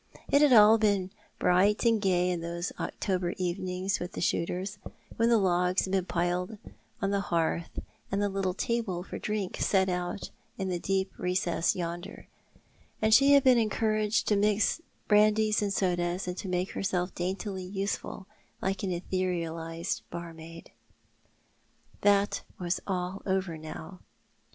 It had all been bright and gay in those October evenings with the shooters, when the logs had been piled on the hearth, and the little table for drinks set out in the deep recess yonder, and she had been encouraged to mix brandies and sodas, and to make herself daintily useful, like an ctherealized barmaid. That was all over now.